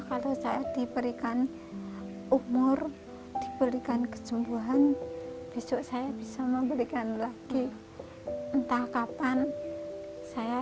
kalau saya diberikan umur diberikan kesembuhan besok saya bisa memberikan lagi entah kapan saya